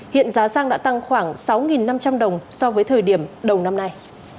hiện giá xăng đã tăng khoảng sáu năm trăm linh đồng so với thời điểm đầu năm nay